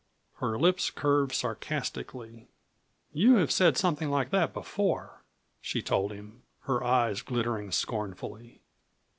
Her lips curved sarcastically. "You have said something like that before," she told him, her eyes glittering scornfully.